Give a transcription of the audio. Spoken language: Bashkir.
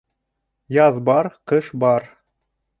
Яҙ бар, ҡыш бар.